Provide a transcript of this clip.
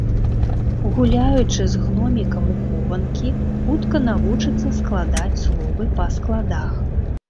Гуляючы з гномікам у хованкі, хутка навучыцца складаць словы па складах.